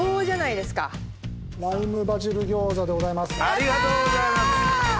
ありがとうございます。